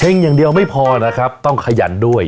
อย่างเดียวไม่พอนะครับต้องขยันด้วย